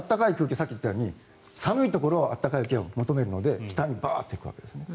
さっき言ったように寒いところは暖かい空気を求めるので北にバーッと行くわけです。